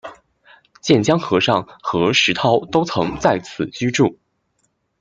渐江和尚和石涛都曾在此居住。